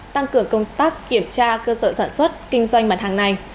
tăng cường công tác kiểm tra cơ sở sản xuất kinh doanh mặt hàng này